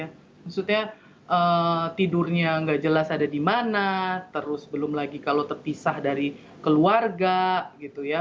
maksudnya tidurnya nggak jelas ada di mana terus belum lagi kalau terpisah dari keluarga gitu ya